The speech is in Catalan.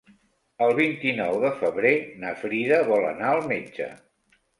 El vint-i-nou de febrer na Frida vol anar al metge.